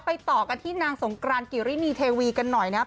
ต่อกันที่นางสงกรานกิรินีเทวีกันหน่อยนะครับ